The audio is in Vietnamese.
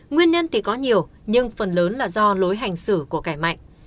nguyên nhân thì có nhiều nhưng phần lớn là do lối hành xử của kẻ mạnh